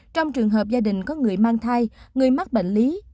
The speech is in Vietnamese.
trong trường hợp gia đình có người mang thai người mắc bệnh lý